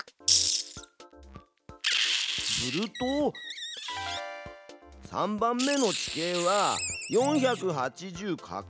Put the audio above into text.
すると３番目の地形は４８０かける２。